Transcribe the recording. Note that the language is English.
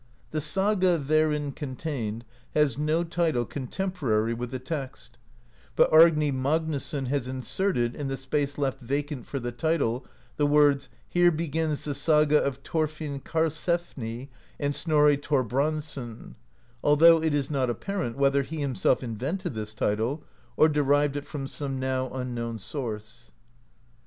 The saga therein contained has no title con temporary with the text, but Ami Magnusson has in serted, in the space left vacant for the title, the words : "Here begins the Saga of Thorfinn Karlsefni and Snorri Thorbrandsson," although it is not apparent whether he himself invented this title, or derived it from some now unknown source.